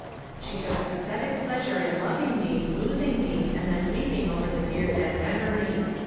She took a pathetic pleasure in loving me, losing me, and then weeping over the dear dead memory.